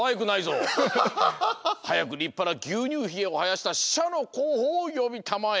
はやくりっぱなぎゅうにゅうヒゲをはやしたししゃのこうほをよびたまえ！